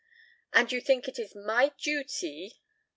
"And you think it is my duty